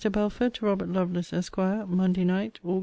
BELFORD, TO ROBERT LOVELACE, ESQ. MONDAY NIGHT, AUG.